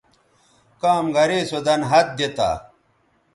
کام گرے سو دَن ہَت دی تا